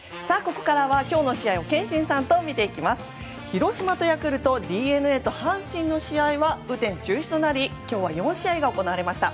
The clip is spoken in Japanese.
広島とヤクルトＤｅＮＡと阪神の試合は雨天中止となり今日は４試合が行われました。